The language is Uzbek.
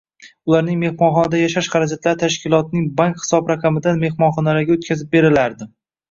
Ularning mehmonxonada yashash xarajatlari tashkilotning bank hisobraqamidan mexmonxonalarga o‘tkazib berilardi.